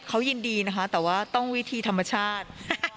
เขายินดีนะคะแต่ว่าต้องวิธีธรรมชาติ